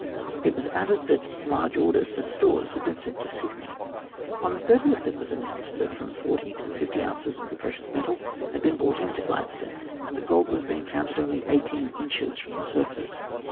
It was added that large orders for stores had been sent to Sydney. On the 30th it was announced that from forty to fifty ounces of the precious metal had been brought into Gladstone, and that gold was being found at only eighteen inches from the surface.